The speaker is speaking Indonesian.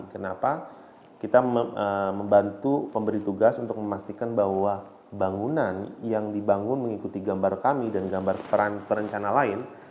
kenapa kita membantu pemberi tugas untuk memastikan bahwa bangunan yang dibangun mengikuti gambar kami dan gambar peran perencana lain